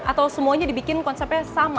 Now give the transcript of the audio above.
atau semuanya dibikin konsepnya sama